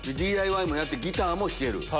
ＤＩＹもやってギターも弾ける。